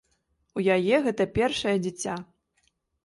У яе гэта першае дзіця.